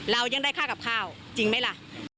เรายังได้ค่ากับข้าวจริงไหมล่ะ